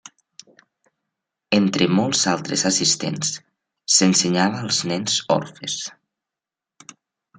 Entre molts altres assistents, s'ensenyava als nens orfes.